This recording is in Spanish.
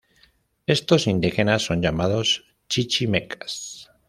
Estos indígenas son llamados "chichimecas".